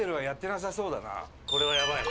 これはやばいね。